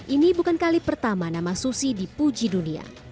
ini bukan kali pertama nama susi dipuji dunia